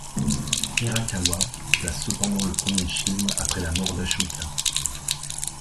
Hirakawa place cependant le premier schisme après la mort d'Ashoka.